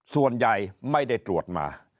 ส่วนใหญ่ไม่ได้ตรวจมา